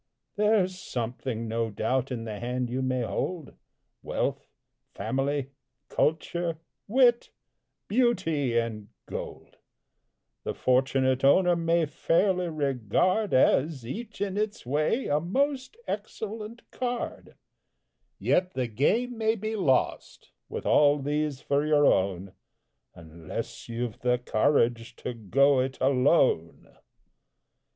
There's something, no doubt, in the hand you may hold: Wealth, family, culture, wit, beauty and gold, The fortunate owner may fairly regard As, each in its way, a most excellent card; Yet the game may be lost, with all these for your own, Unless you've the courage to "go it alone!"